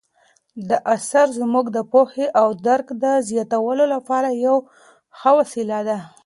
دا اثر زموږ د پوهې او درک د زیاتولو لپاره یوه ښه وسیله ده.